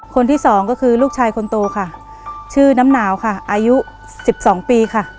คนที่สองก็คือลูกชายคนโตค่ะชื่อน้ำหนาวค่ะอายุสิบสองปีค่ะ